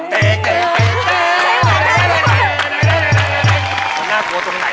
มันน่ากลัวตรงไหน